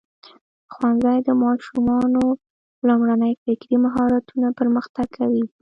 ښوونځی د ماشومانو لومړني فکري مهارتونه پرمختګ کوي.